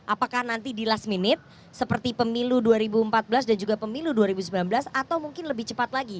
apakah nanti di last minute seperti pemilu dua ribu empat belas dan juga pemilu dua ribu sembilan belas atau mungkin lebih cepat lagi